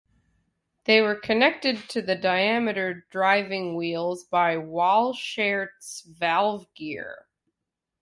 They were connected to the diameter driving wheels by Walschaerts valve gear.